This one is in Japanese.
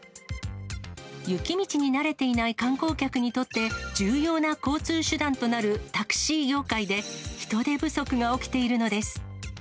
雪道に慣れていない観光客にとって重要な交通手段となるタクシー業界で、人手不足が起きているのです。